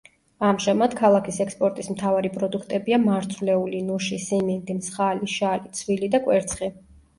ამჟამად, ქალაქის ექსპორტის მთავარი პროდუქტებია მარცვლეული, ნუში, სიმინდი, მსხალი, შალი, ცვილი და კვერცხი.